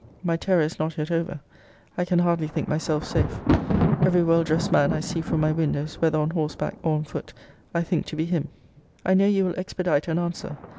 My terror is not yet over: I can hardly think myself safe: every well dressed man I see from my windows, whether on horseback or on foot, I think to be him. I know you will expedite an answer.